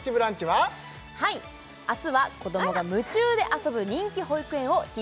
はい明日は子どもが夢中で遊ぶ人気保育園をて